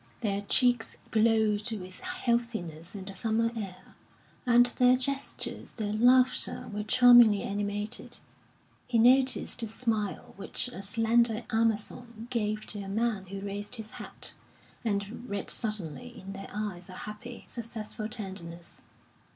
Their cheeks glowed with healthiness in the summer air, and their gestures, their laughter, were charmingly animated. He noticed the smile which a slender Amazon gave to a man who raised his hat, and read suddenly in their eyes a happy, successful tenderness.